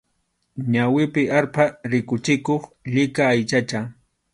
Ñawipi arpha rikuchikuq llika aychacha.